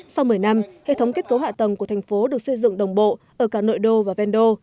sau một mươi năm hệ thống kết cấu hạ tầng của thành phố được xây dựng đồng bộ ở cả nội đô và ven đô